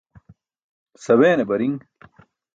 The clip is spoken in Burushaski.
Saweene bariṅ